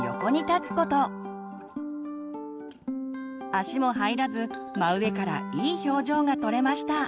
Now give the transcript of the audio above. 足も入らず真上からいい表情が撮れました。